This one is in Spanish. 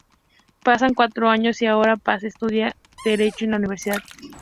Pasan cuatro años y ahora Paz estudia Derecho en la universidad.